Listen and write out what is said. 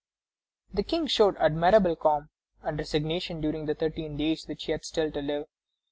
The King showed admirable calm and resignation during the thirteen days he had still to live.